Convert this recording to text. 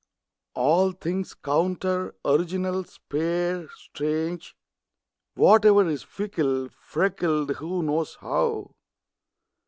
All things counter, original, spare, strange; Whatever is fickle, freckled (who knows how?)